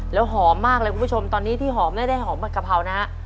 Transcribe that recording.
แล้วหอมมากเลยคุณผู้ชมตอนนี้ที่หอมไม่ได้หอมผัดกะเพรานะฮะ